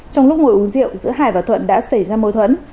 trong lúc ngồi uống rượu giữa hải và thuận đã xảy ra mâu thuẫn